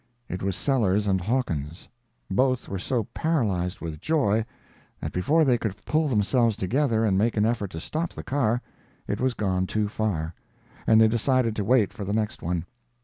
It was Sellers and Hawkins. Both were so paralyzed with joy that before they could pull themselves together and make an effort to stop the car, it was gone too far, and they decided to wait for the next one.